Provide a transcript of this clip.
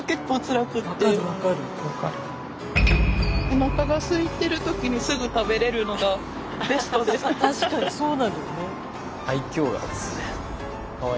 おなかがすいてる時にすぐ食べれるのがベストです。